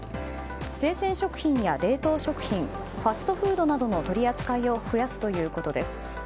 生鮮食品や冷凍食品ファストフードなどの取り扱いを増やすということです。